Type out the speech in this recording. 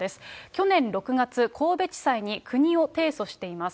去年６月、神戸地裁に国を提訴しています。